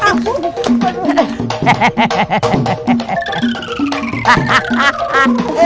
karena di pasar ada istri kang emus